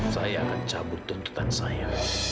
saya akan cabut tuntutan saya